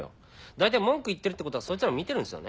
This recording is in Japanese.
だいたい文句言ってるってことはそいつらも見てるんすよね。